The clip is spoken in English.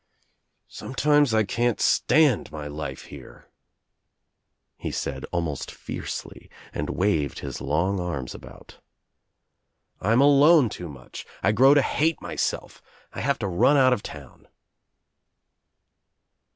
"Sometimes I can't stand my life here," he said almost fiercely and waved his long arms about. "I'm alone too much. I grow to hate myself. I have to run out of town."